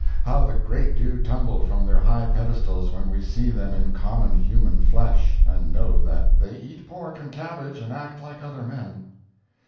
How the great do tumble from their high pedestals when we see them in common human flesh, and know that they eat pork and cabbage and act like other men.